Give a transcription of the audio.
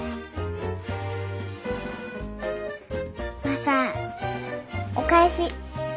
マサお返し。